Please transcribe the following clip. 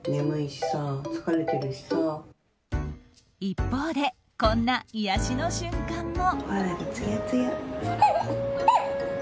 一方でこんな癒やしの瞬間も。